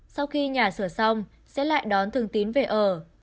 sau khi nhà sửa xong sẽ lại đón thường tín về ở